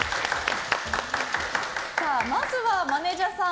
まずはマネジャーさん